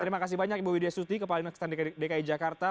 terima kasih banyak ibu widya suti kepala dinas kesehatan dki jakarta